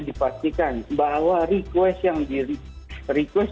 dipastikan bahwa request